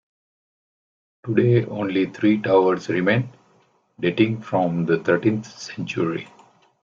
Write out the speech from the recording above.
Today only three towers remain, dating from the thirteenth century.